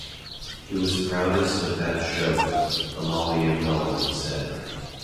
"He was proudest of that show," Amalia Melvin said.